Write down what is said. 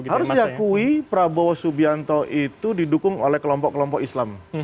harus diakui prabowo subianto itu didukung oleh kelompok kelompok islam